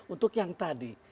untuk yang tadi